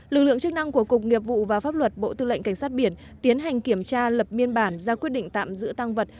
lực lượng chức năng của cục nghiệp vụ và pháp luật bộ tư lệnh cảnh sát biển tiến hành kiểm tra lập biên bản ra quyết định tạm giữ tăng vật